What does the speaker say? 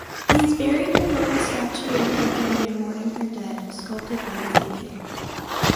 He is buried below the statue of Virginia Mourning Her Dead sculpted by Ezekiel.